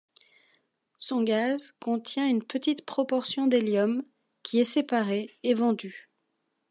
Son gaz contient une petite proportion d'hélium qui est séparé et vendu.